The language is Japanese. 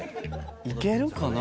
いけるかな？